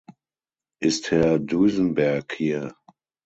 Ist Herr Duisenberg hier?